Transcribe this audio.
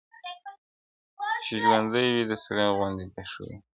چي ژوندی وي د سړي غوندي به ښوري!.